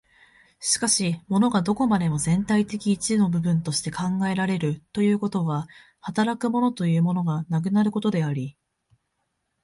しかし物がどこまでも全体的一の部分として考えられるということは、働く物というものがなくなることであり、